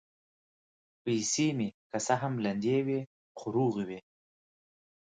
پیسې مې که څه هم لندې وې، خو روغې وې.